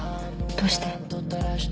どうして？